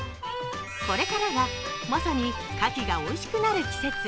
これからが、まさにかきがおいしくなる季節。